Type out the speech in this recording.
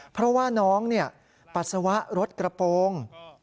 เพราะว่าน้องปัสสาวะรถกระโปรง